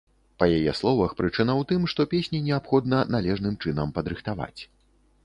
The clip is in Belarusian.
Па яе словах, прычына ў тым, што песні неабходна належным чынам падрыхтаваць.